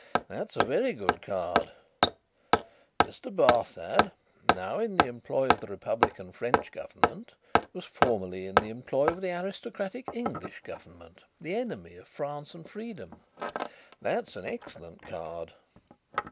That's a very good card. Mr. Barsad, now in the employ of the republican French government, was formerly in the employ of the aristocratic English government, the enemy of France and freedom. That's an excellent card.